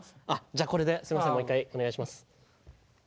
じゃあこれですいませんもう一回お願いします。